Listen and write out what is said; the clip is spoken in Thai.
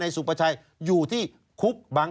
ชีวิตกระมวลวิสิทธิ์สุภาณฑ์